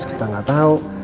kita nggak tahu